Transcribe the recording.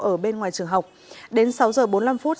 ở bên ngoài trường học đến sáu giờ bốn mươi năm phút